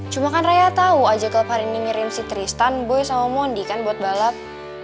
cuma kan raya tahu aja klub hari ini ngirim si tristan boy sama mondi kan buat balap